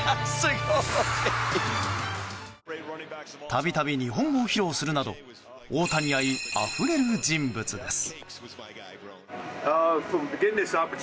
度々、日本語を披露するなど大谷愛あふれる人物です。